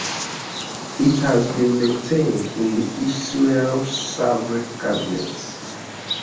It has been maintained in the Ismail Sabri cabinet.